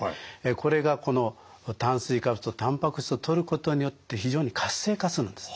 これがこの炭水化物とたんぱく質をとることによって非常に活性化するんです。